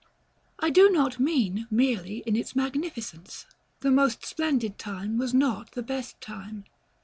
§ XXXII. I do not mean merely in its magnificence; the most splendid time was not the best time.